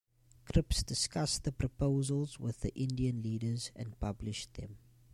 Cripps discussed the proposals with the Indian leaders and published them.